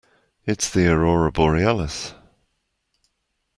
It's the aurora borealis.